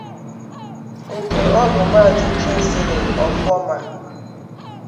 nke ọ bụ Maazị Kingsley Oforma